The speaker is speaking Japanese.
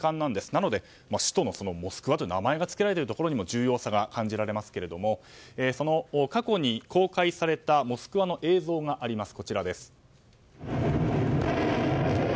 なので首都のモスクワという名前が付けられているところにも重要さが感じられますが過去に公開された「モスクワ」の映像があります。